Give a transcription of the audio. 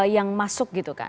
yang masuk gitu kan